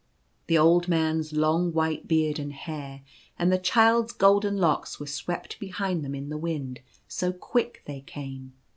The old man's long white beard and hair and the child's golden locks were swept behind them in the wind, so quick they came.